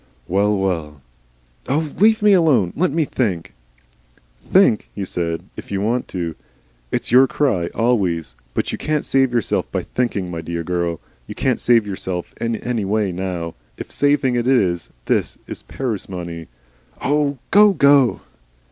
"Well, well " "Oh! leave me alone. Let me think " "Think," he said, "if you want to. It's your cry always. But you can't save yourself by thinking, my dear girl. You can't save yourself in any way now. If saving it is this parsimony " "Oh, go go."